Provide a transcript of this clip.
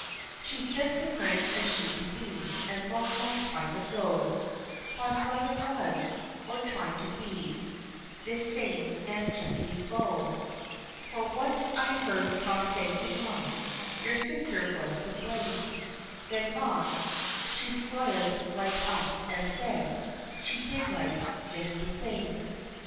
She's just as nice as she can be, and long, long time ago Pa's brother was, or tried to be, this same Aunt Jessie's beau, For once I heard pa say to ma, "Your sister was to blame," Then ma, she flared right up and said, "She did right, just the same."